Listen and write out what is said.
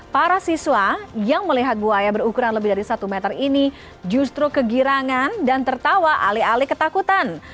para siswa yang melihat buaya berukuran lebih dari satu meter ini justru kegirangan dan tertawa alih alih ketakutan